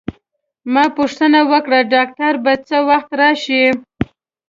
ما پوښتنه وکړه: ډاکټر به څه وخت راشي؟